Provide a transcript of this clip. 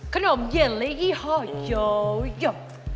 ขนมเยลลี่ยี่ห้อยโยโย